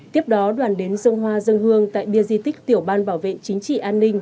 tiếp đó đoàn đến dân hoa dân hương tại bia di tích tiểu ban bảo vệ chính trị an ninh